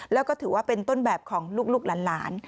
แล้วก็ถือว่าเป็นต้นแบบของลูกหลาน